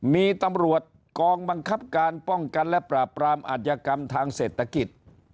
มีตำรวจกองบังคับการป้องกันและปราบปรามอัธยกรรมทางเศรษฐกิจ